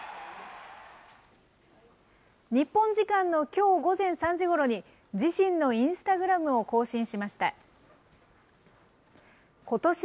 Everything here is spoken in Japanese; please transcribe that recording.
日本時間のきょう午前３時ごろに、自身のインスタグラムを更新しました。